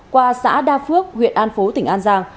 qua xã đa phước huyện an phú tỉnh an giang